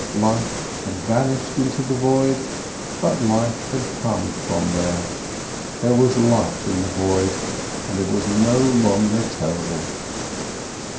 Life had vanished into the void, but life had come from there. There was life in the void, and it was no longer terrible.